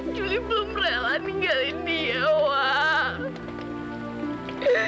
juli belum rela ninggalin dia wah